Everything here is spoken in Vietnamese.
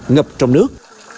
ngập trong nước